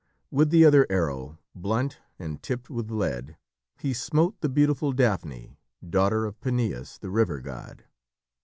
With the other arrow, blunt, and tipped with lead, he smote the beautiful Daphne, daughter of Peneus, the river god.